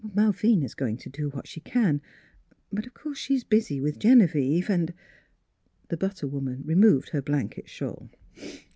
" Malvina's going to do what she can, but of course she's busy with Genevieve, and —" The butter woman removed her blanket shawl.